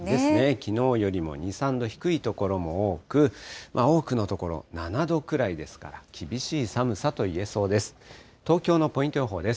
きのうよりも２、３度低い所も多く、多くの所、７度くらいですから、厳しい寒さといえそうです。